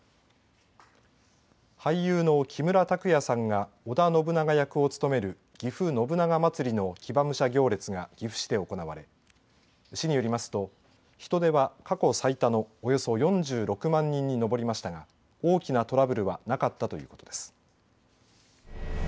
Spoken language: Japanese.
俳優の木村拓哉さんが織田信長役を務める「ぎふ信長まつり」の騎馬武者行列が岐阜市で行われ市によりますと、人出は過去最多のおよそ４６万人に上りましたが大きなトラブルはなかったということです。